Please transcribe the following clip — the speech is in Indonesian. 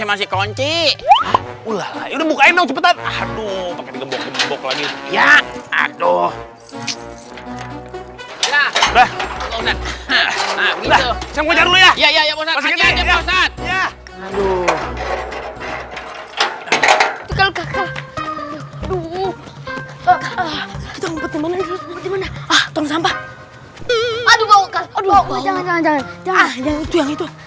masih kunci udah buka enggak cepetan aduh aduh